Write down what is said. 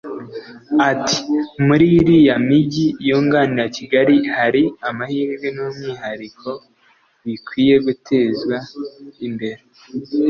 Ati “Muri iriya mijyi yunganira Kigali hari amahirwe n’umwihariko bikwiye gutezwa imbere